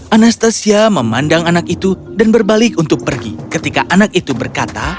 anastasia memandang anak itu dan berbalik untuk pergi ketika anak itu berkata